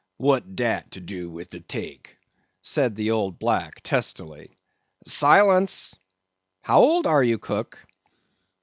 "What dat do wid de 'teak," said the old black, testily. "Silence! How old are you, cook?"